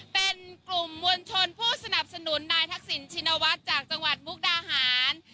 เป็นกลุ่มมวลชนผู้สนับสนุนนายทักษิณชินวัฒน์จากจังหวัดมุกดาหาร